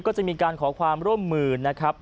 ก็จะมีการขอความร่วมมือนะครับ